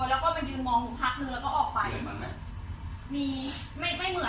แล้วก็มายืนมองหนูพักหนึ่งแล้วก็ออกไปมีไม่เหมือน